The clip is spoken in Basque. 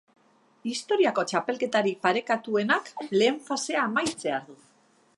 Historiako txapelketarik parekatuenak lehen fasea amaitzear du.